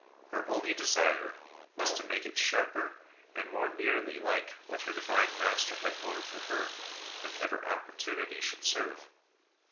Her only desire was to make it go ST. ROSE OF LIMA sharper and more nearly like what her Divine Master had borne for her, whenever opportunity should serve.